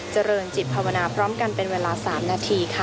เจริญจิตภาวนาพร้อมกันเป็นเวลา๓นาทีค่ะ